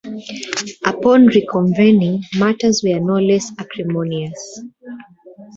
Upon reconvening, matters were no less acrimonious.